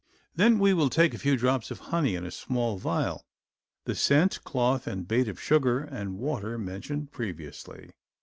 Then we will take a few drops of honey in a small vial, the scent, cloth, and bait of sugar and water mentioned previously.